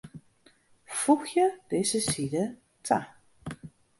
Foegje dizze side ta.